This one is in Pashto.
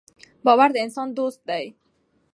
باور د انسان دوست دی.